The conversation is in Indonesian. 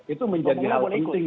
itu menjadi hal penting